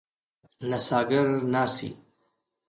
نڅاګر ناڅي.